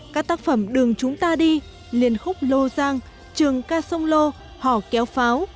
các tác phẩm đường chúng ta đi liên khúc lô giang trường ca sông lô hò kéo pháo